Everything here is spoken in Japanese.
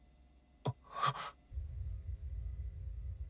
あっ。